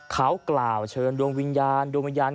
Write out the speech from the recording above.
เขากล่าวเชิญดวงวิญญาณ